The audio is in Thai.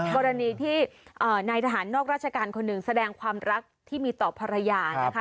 กรณีที่นายทหารนอกราชการคนหนึ่งแสดงความรักที่มีต่อภรรยานะคะ